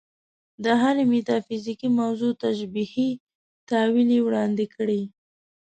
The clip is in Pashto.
د هرې میتافیزیکي موضوع تشبیهي تأویل یې وړاندې کړی.